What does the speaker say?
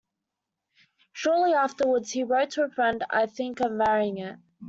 Shortly afterwards he wrote to a friend I think of marrying it.